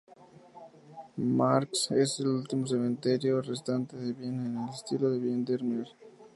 Marx es el último cementerio restante de Viena en el estilo Biedermeier.